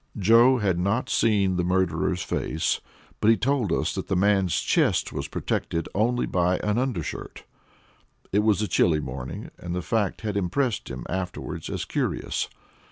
Joe had not seen the murderer's face, but he told us that the man's chest was protected only by an undershirt. It was a chilly morning, and the fact had impressed him afterward as curious.